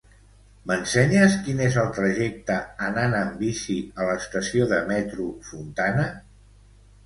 M'ensenyes quin és el trajecte anant en bici a l'estació de metro Fontana?